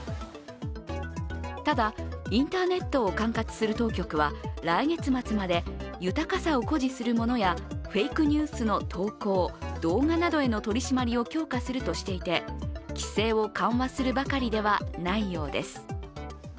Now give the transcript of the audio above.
ただ、インターネットを管轄する当局は来月末まで豊かさを誇示するものやフェイクニュースの投稿、動画などへの取り締まりを強化するとしていて、規制を緩和するばかりではないようです。